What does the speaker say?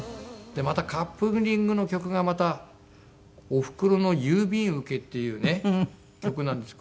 カップリングの曲がまた『おふくろの郵便受け』っていうね曲なんです。